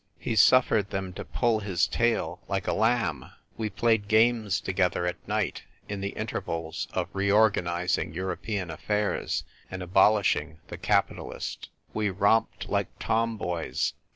He suffered them to pull his tail like a lamb. We played games together at night, in the intervals of reorganising European affairs and abolish ing the capitalist. We romped like tomboys.